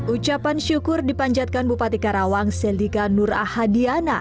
ucapan syukur dipanjatkan bupati karawang seldika nur ahadiana